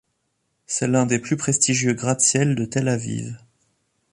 C'est l'un des plus prestigieux gratte-ciel de Tel Aviv.